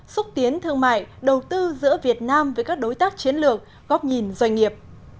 xúc tiến thương mại đầu tư giữa việt nam với các đối tác chiến lược góc nhìn doanh nghiệp